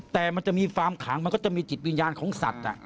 แต่มันจะมีฟาร์มขังมันก็จะมีจิตวิญญาณของสัตว์